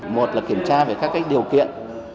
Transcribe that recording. một là kiểm tra về các cách điều kiện